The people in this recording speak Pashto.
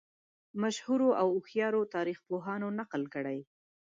مشهورو او هوښیارو تاریخ پوهانو نقل کړې.